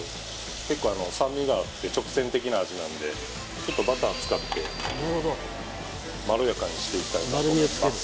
結構あの酸味があって直線的な味なんでちょっとバター使ってまろやかにしていきたいなと思います